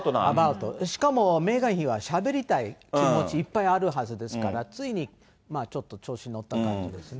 しかもメーガン妃はしゃべりたい気持ちいっぱいあるはずですから、ついにちょっと調子に乗った感じですね。